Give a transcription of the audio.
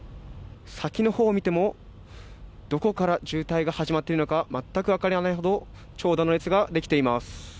先の方を見てもどこから渋滞が始まっているのかまったく分からないほど長蛇の列ができています。